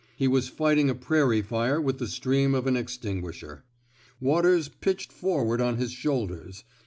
He was fighting a prairie fire with the stream of an ex tinguisher. Waters pitched forward on his shoulders.